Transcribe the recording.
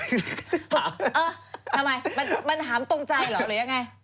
ทำไมมันถามตรงใจเหรอหรือยังไง